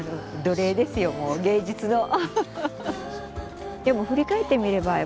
奴隷ですよもう芸術の。